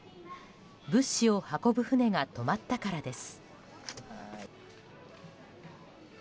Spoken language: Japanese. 物資を運ぶ船が止まったからです。